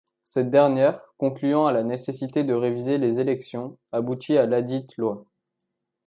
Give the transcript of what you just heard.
Cette dernière, concluant à la nécessité de réviser les élections, aboutit à ladite loi.